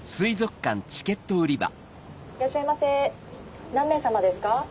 いらっしゃいませ何名さまですか？